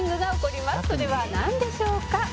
「それはなんでしょうか？」